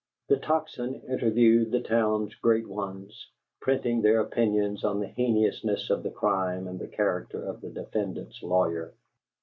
The Tocsin interviewed the town's great ones, printing their opinions of the heinousness of the crime and the character of the defendant's lawyer....